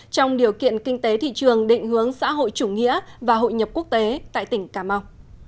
trong điều kiện kinh tế thị trường định hướng xã hội chủ nghĩa và hội nhập quốc tế tại tỉnh cà mau